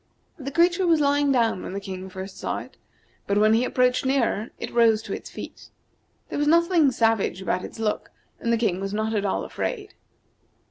The creature was lying down when the King first saw it, but when he approached nearer it rose to its feet. There was nothing savage about its look, and the King was not at all afraid.